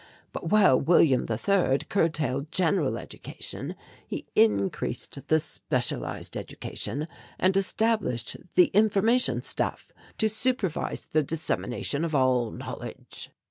"But while William III curtailed general education he increased the specialized education and established the Information Staff to supervise the dissemination of all knowledge."